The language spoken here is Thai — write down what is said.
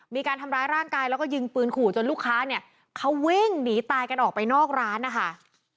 มีการทำร้ายร่างกายแล้วก็ยิงปืนขู่จนลูกค้าเนี่ยเขาวิ่งหนีตายกันออกไปนอกร้านนะคะ